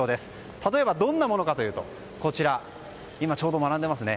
例えば、どんなものかというと今ちょうど学んでいますね。